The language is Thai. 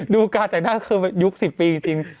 ดูกาใจหน้าคนยุค๑๐ปีจริง